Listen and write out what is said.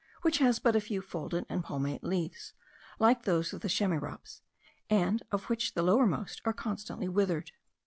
which has but a few folded and palmate leaves, like those of the chamaerops, and of which the lower most are constantly withered.